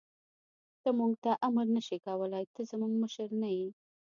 ته موږ ته امر نه شې کولای، ته زموږ مشر نه یې.